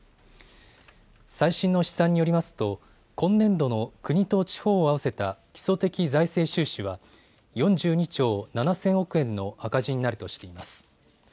最新の試算によりますと今年度の国と地方を合わせた基礎的財政収支は４２兆７０００億円の赤字になるとしています。